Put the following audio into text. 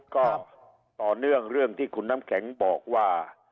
ก็ต่อเนื่องเรื่องที่คุณน้ำแข็งบอกว่า